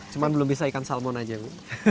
cuma belum bisa ikan salmon aja bu